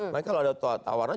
mereka kalau ada tawaran